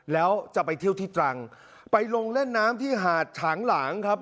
แล้วจะไปเที่ยวที่ตรังไปลงเล่นน้ำที่หาดฉางหลางครับ